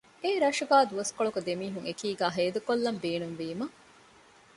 އެއީ ރަށުގައި ދުވަސްކޮޅަކު ދެމީހުން އެކީގައި ހޭދަކޮށްލަން ބޭނުންވީމަ